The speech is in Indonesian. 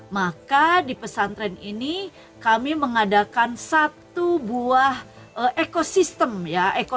maka di pesantren ini kami mengadakan satu buah ekosistem ya ekosistem yang dimana anak anak ini mendapatkan